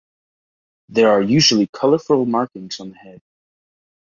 There are usually colorful markings on the head.